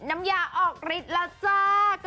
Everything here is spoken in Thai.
น้ำยาออกฤทธิ์รัก